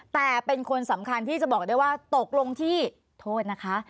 แต่เป็นคนสำคัญที่จะบอกได้ว่าตกลงที่โทษนะคะ